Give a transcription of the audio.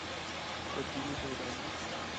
بدبیني پیدا کړي.